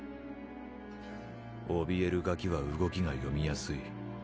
おびえるガキは動きが読みやすい